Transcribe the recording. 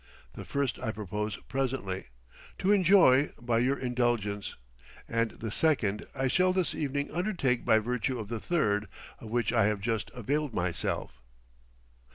The first I propose presently, to enjoy, by your indulgence; and the second I shall this evening undertake by virtue of the third, of which I have just availed myself."